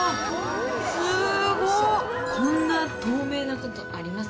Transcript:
こんな透明なことあります？